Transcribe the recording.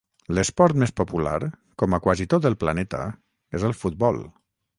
L'esport més popular, com a quasi tot el planeta, és el futbol.